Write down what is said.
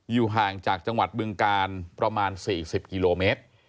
ห่างจากจังหวัดบึงการประมาณ๔๐กิโลเมตร